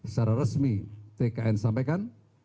secara resmi tkn sampaikan